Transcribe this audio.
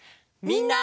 みんな！